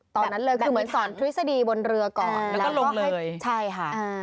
ตอนนั้นเลยคือเหมือนสอนทฤษฎีบนเรือก่อนแล้วก็ล็อกให้ใช่ค่ะ